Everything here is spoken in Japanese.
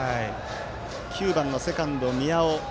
９番セカンドの宮尾。